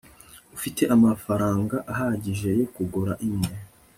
ufite amafaranga ahagije yo kugura imwe